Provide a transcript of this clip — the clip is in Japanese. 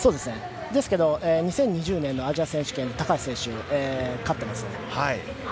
ですけど２０２０年のアジア選手権、高橋選手が勝ってますので。